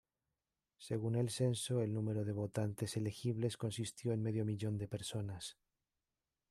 Según el censo, el número de votantes elegibles consistió en medio millón de personas.